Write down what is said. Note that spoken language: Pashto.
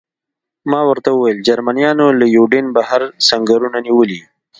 ما ورته وویل: جرمنیانو له یوډین بهر سنګرونه نیولي.